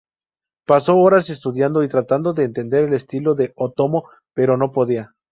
Pasó horas estudiando y tratando de entender el estilo de Otomo, pero no podía.